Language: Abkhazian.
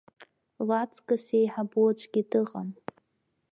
Лаҵкыс еиҳабу аӡәгьы дыҟам.